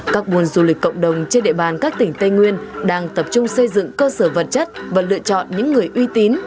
các buôn du lịch cộng đồng trên địa bàn các tỉnh tây nguyên đang tập trung xây dựng cơ sở vật chất và lựa chọn những người uy tín